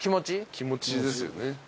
気持ちですよね。